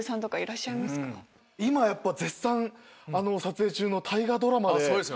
今はやっぱ絶賛撮影中の大河ドラマで。